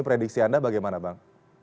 prediksi anda bagaimana bang